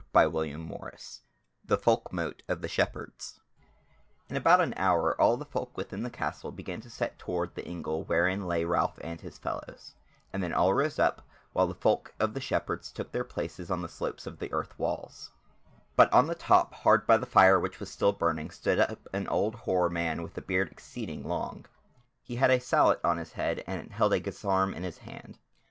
CHAPTER 24 The Folkmote of the Shepherds In about an hour all the folk within the castle began to set toward the ingle wherein lay Ralph and his fellows, and then all rose up, while the folk of the Shepherds took their places on the slopes of the earth walls, but on the top hard by the fire, which was still burning, stood up an old hoar man with a beard exceeding long; he had a sallet on his head, and held a guisarme in his hand.